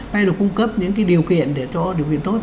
hay là cung cấp những cái điều kiện để cho điều kiện tốt